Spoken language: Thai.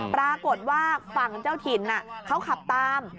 ปรากฏว่าฝั่งเจ้าถิ่นเขาขับตาม